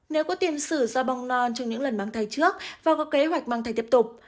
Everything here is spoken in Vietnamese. nếu có tiền sử do bong non trong những lần bằng thai trước và có kế hoạch bằng thai tiếp tục